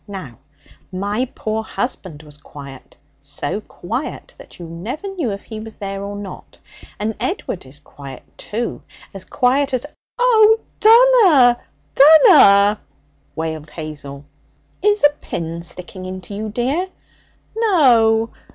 Now my poor husband was quiet, so quiet that you never knew if he was there or not. And Edward is quiet too, as quiet as ' 'Oh! dunna, dunna!' wailed Hazel. 'Is a pin sticking into you dear?' 'No.